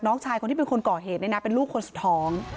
น้องชายคนที่เป็นคนก่อเหตุเป็นลูกคนสุดท้อง